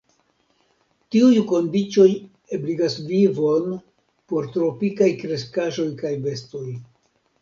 Tiuj kondiĉoj ebligas vivon por tropikaj kreskaĵoj kaj bestoj.